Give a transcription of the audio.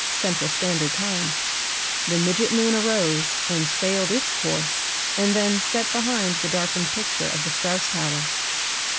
central standard time, the midget moon arose and sailed its course and then set behind the darkened picture of the Straus Tower.